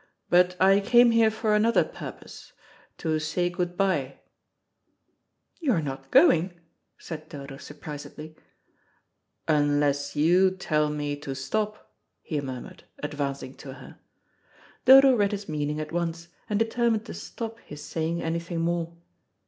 But I came here for another purpose to say good bye." "You're not going?" said Dodo surprisedly. "Unless you tell me to stop," he murmured, advancing to her. Dodo read his meaning at once, and determined to stop his saying anything more.